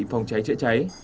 phòng cháy dưới cháy